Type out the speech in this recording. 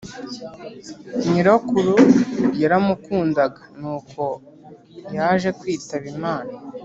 Nyirakuru yaramukundaga nuko yaje kwitaba imana